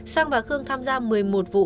sang và khương tham gia một mươi một vụ